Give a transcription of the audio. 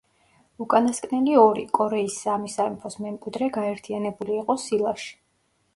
უკანასკნელი ორი, კორეის სამი სამეფოს მემკვიდრე გაერთიანებული იყო სილაში.